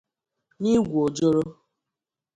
na igwù ojoro